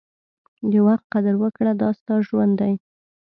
د وخت قدر وکړه، دا ستا ژوند دی.